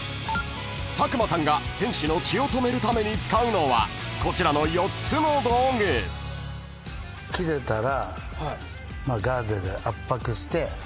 ［佐久間さんが選手の血を止めるために使うのはこちらの４つの道具］切れたら。